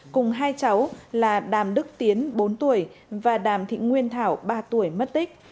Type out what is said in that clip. cùng hai cháu là đàm đức tiến bốn tuổi và đàm thị nguyên thảo ba tuổi mất tích